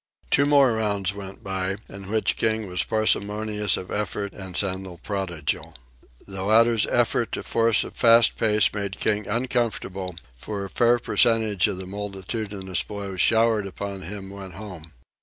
Two more rounds went by, in which King was parsimonious of effort and Sandel prodigal. The latter's attempt to force a fast pace made King uncomfortable, for a fair percentage of the multitudinous blows showered upon him went home.